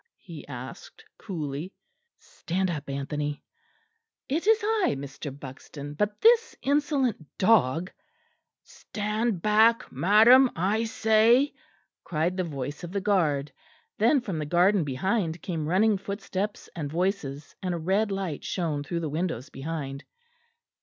he asked coolly. ("Stand up Anthony.") "It is I, Mr. Buxton, but this insolent dog " "Stand back, madam, I say," cried the voice of the guard. Then from the garden behind came running footsteps and voices; and a red light shone through the windows behind.